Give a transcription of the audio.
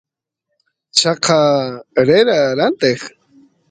chaqa rera ranteq